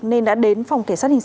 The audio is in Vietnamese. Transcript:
nên đã đến phòng kể sát